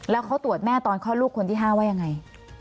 แล้วเขาตรวจแม่ตอนคลอดลูกคนที่๕ว่ายังไง